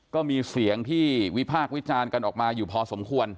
ก็มีเสียงที่วิพากษ์วิจารณ์กันออกมาอยู่พอสมควร